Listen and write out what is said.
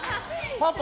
パパ